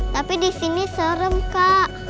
tapi di sini serem kak